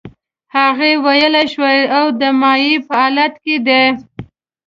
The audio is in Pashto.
هغه ویلې شوی او د مایع په حالت کې دی.